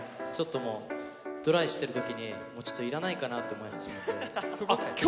ちょっともう、ドライしてるときにもうちょっといらないかなと思い始めて。